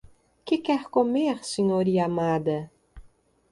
Que quer comer, Sr. Yamada?